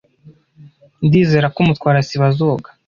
Ndizera ko Mutwara sibo azoga.